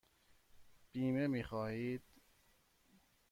بیمه می خواهید؟